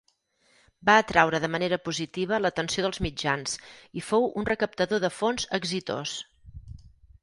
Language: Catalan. Va atraure de manera positiva l'atenció dels mitjans i fou un recaptador de fons exitós.